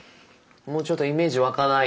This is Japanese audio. もうちょっとイメージ湧かない。